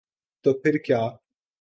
تو پھر کیا؟